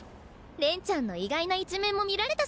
恋ちゃんの意外な一面も見られたし。